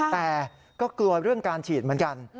แต่ก็กลัวเรื่องการฉีดเหมือนกัน